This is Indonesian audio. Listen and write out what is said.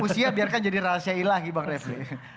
usia biarkan jadi rahasia ilahi bang refli